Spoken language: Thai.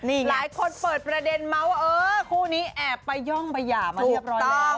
หลายคนเปิดประเด็นเมาส์ว่าเออคู่นี้แอบไปย่องไปหย่ามาเรียบร้อย